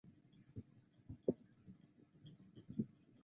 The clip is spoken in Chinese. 芒乌沃。